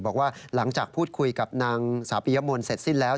บอกว่าหลังจากพูดคุยกับนางสาวปียมนต์เสร็จสิ้นแล้ว